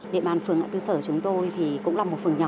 địa bàn phường ngã tư sở chúng tôi thì cũng là một phường nhỏ